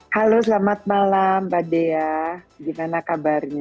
halo selamat malam mbak dea gimana kabarnya